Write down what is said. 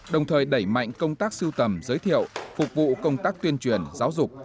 đồng thời đẩy mạnh công tác sưu tầm giới thiệu phục vụ công tác tuyên truyền giáo dục